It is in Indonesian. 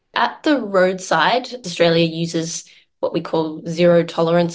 di sisi jalan di australia kita harus mengikuti penyelamatkan ganja untuk penyelamatkan ganja untuk keperluan kerja